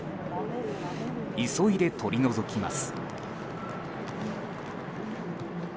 急いで取り除きます。